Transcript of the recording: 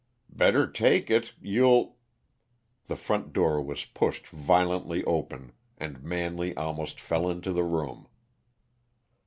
"Better take it; you'll " The front door was pushed violently open and Manley almost fell into the room.